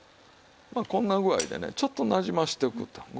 まあこんな具合でねちょっとなじませておくと。